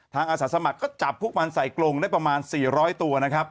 อาสาสมัครก็จับพวกมันใส่กรงได้ประมาณ๔๐๐ตัวนะครับ